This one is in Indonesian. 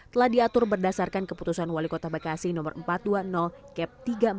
telah diatur berdasarkan keputusan wali kota bekasi no empat ratus dua puluh cap tiga ratus empat puluh enam